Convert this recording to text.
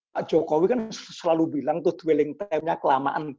pak jokowi kan selalu bilang tuh dwelling time nya kelamaan